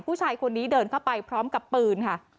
ผู้ชายคนนี้เดินเข้าไปพร้อมกับปืนค่ะ